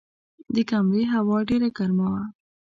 د کمرې هوا ډېره ګرمه وه.